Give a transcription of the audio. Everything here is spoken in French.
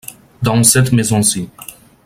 Dans cette maison-ci.